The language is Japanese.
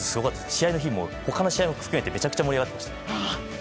試合の日も、他の試合も含めめちゃめちゃ盛り上がってました。